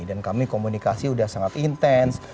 dan kami komunikasi sudah sangat intens